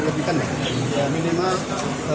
buan saril wiek